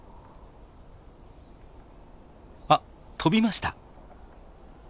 あっ飛びました！